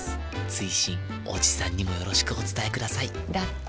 追伸おじさんにもよろしくお伝えくださいだって。